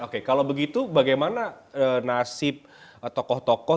oke kalau begitu bagaimana nasib tokoh tokoh